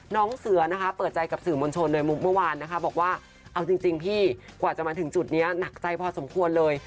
น้องเสือนะคะเปิดใจกับสื่อมวลชนเลยมุกเมื่อวานนะคะบอกว่าเอาจริงพี่กว่าจะมาถึงจุดนี้หนักใจพอสมควรเลย